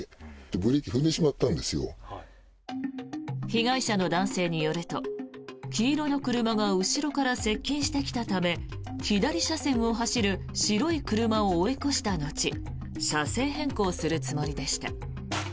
被害者の男性によると黄色の車が後ろから接近してきたため左車線を走る白い車を追い越した後車線変更するつもりでした。